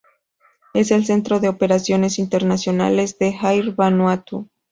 Es el centro de operaciones internacionales de Air Vanuatu.